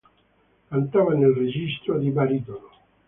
Cantava nel registro di baritono.